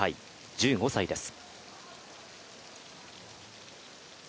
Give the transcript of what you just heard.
１５歳です。